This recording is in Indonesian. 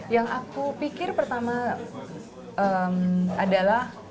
yang aku pikir pertama adalah